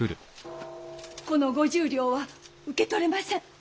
この５０両は受け取れません。